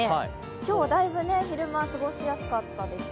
今日はだいぶ昼間過ごしやすかったですね。